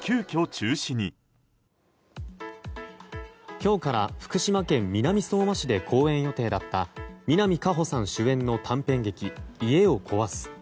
今日から福島県南相馬市で公演予定だった南果歩さん主演の短編劇「家を壊す‐」。